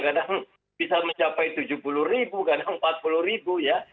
kadang bisa mencapai tujuh puluh ribu kadang empat puluh ribu ya